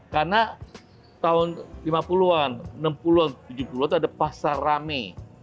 karena tahun lima puluh an enam puluh an tujuh puluh an itu ada pasar rame